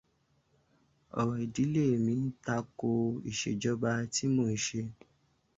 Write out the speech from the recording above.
Orò ìdílé mi ń ta ko ìṣèjọba tí mò ń ṣe.